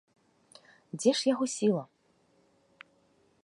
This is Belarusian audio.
Дзе ж яго сіла?